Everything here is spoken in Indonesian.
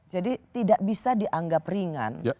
jadi tidak bisa dianggap ringan